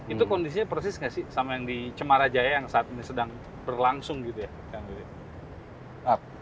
itu kondisinya persis gak sih sama yang di cemara jaya yang saat ini sedang berlangsung gitu ya